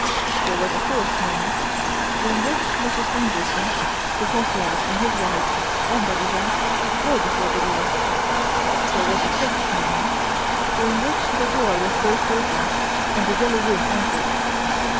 There was a fourth moment, during which Monsieur Stangerson, the concierge and his wife and Daddy Jacques were before the door. There was a fifth moment, during which the door was burst open and "The Yellow Room" entered.